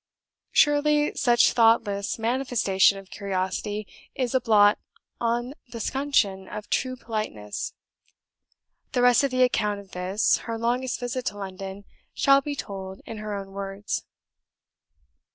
Surely, such thoughtless manifestation of curiosity is a blot on the scutcheon of true politeness! The rest of the account of this, her longest visit to London, shall be told in her own words.